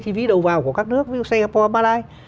chi phí đầu vào của các nước ví dụ singapore malay